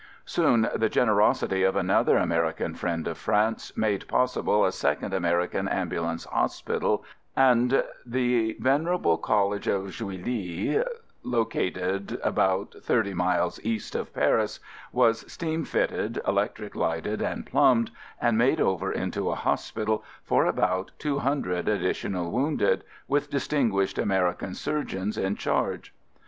Soon the generosity of another American friend of France made possible a second Ameri can Ambulance Hospital, and the ven erable College of Juilly, located about thirty miles east of Paris, was steam fitted, electric lighted and plumbed, and made over into a hospital for about two hundred additional wounded, with distinguished American surgeons in charge.